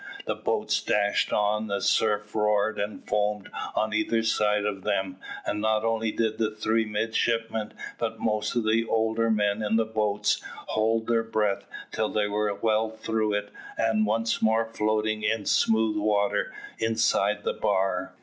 The boats dashed on, the surf roared and foamed on either side of them, and not only did the three midshipmen, but most of the older men in the boats, hold their breath till they were well through it, and once more floating in smooth water inside the bar.